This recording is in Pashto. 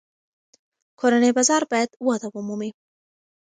کورني بازار باید وده ومومي.